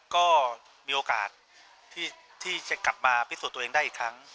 ก็มีโอกาสที่จะกลับมาผิดส่วนได้อีกครั้ง